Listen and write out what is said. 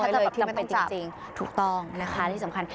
ถ้าเจอแบบจำเป็นจริงถูกต้องนะคะที่สำคัญ